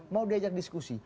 mau diajak diskusi